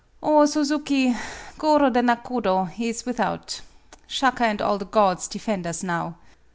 "Oh, Suzuki, Goro the nakodo he is without. Shaka and all the gods defend us now!"